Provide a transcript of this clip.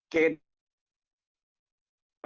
เกณฑ์